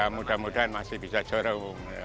ya mudah mudahan masih bisa juara umum